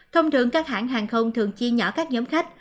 thông thường các hãng hàng không thường chia nhỏ các nhóm khách